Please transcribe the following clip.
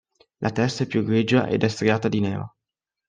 La testa è più grigia ed è striata di nero.